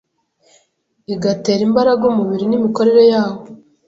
igatera imbaraga umubiri n’imikorere yawo